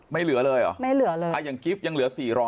ไม่เหลือเลยหรอ